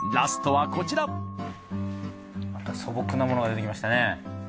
また素朴なものが出てきましたね。